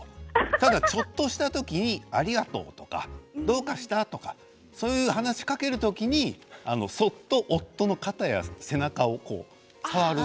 ただちょっとした時にありがとうとかどうかした？とかそういう話しかける時にそっと夫の肩や背中を触る。